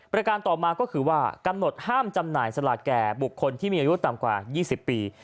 ประการต่อมาก็คือว่ากำหนดห้ามจำหน่ายสลากแก่บุคคลที่มีอายุต่ำกว่า๒๐ปี